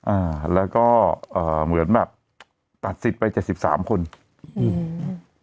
อ่าแล้วก็เอ่อเหมือนแบบตัดสิทธิ์ไปเจ็ดสิบสามคนอืม